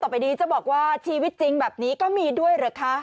ต่อไปนี้จะบอกว่าชีวิตจริงแบบนี้ก็มีด้วยเหรอคะ